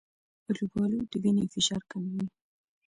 آلوبالو د وینې فشار کموي.